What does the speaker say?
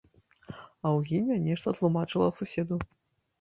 Аўгіння нешта тлумачыла суседу.